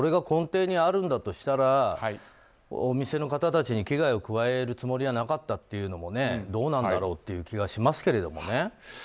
これが根底にあるんだとしたらお店の方たちに危害を加えるつもりはなかったというのもどうなんだろうという気がしますけどもね。